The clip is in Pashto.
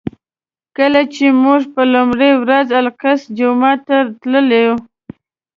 کله چې موږ په لومړي ورځ الاقصی جومات ته تللو.